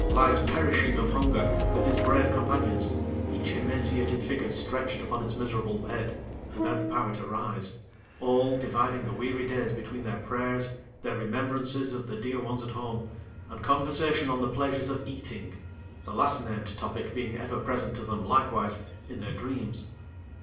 —lies perishing of hunger with his brave companions: each emaciated figure stretched upon its miserable bed without the power to rise: all, dividing the weary days between their prayers, their remembrances of the dear ones at home, and conversation on the pleasures of eating; the last named topic being ever present to them, likewise, in their dreams.